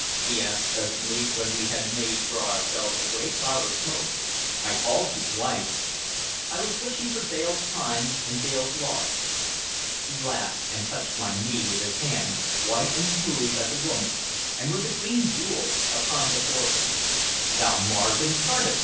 he asked presently, when we had made for ourselves a great cloud of smoke. "I called you twice." "I was wishing for Dale's times and Dale's laws." He laughed, and touched my knee with his hand, white and smooth as a woman's, and with a green jewel upon the forefinger. "Thou Mars incarnate!"